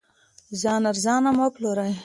ځان ارزانه مه پلورئ.